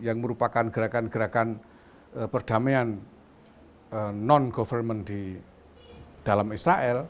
yang merupakan gerakan gerakan perdamaian non government di dalam israel